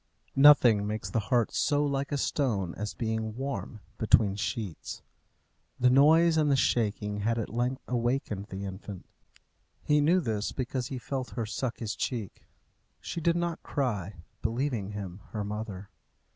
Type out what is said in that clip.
Nothing makes the heart so like a stone as being warm between sheets. The noise and the shaking had at length awakened the infant. He knew this because he felt her suck his cheek. She did not cry, believing him her mother.